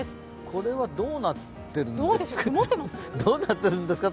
これはどうなってるんですか？